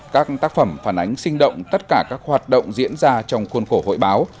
các tác phẩm phản ánh sinh động tất cả các hoạt động diễn ra trong khuôn khổ hội báo